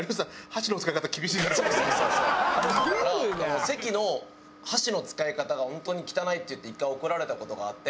だから関の箸の使い方が本当に汚いっていって１回怒られた事があって。